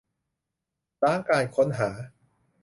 ล้างการค้นหา